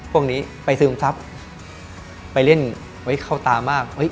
พวกนี้ไปซึมทรัพย์ไปเล่นเข้าตามาก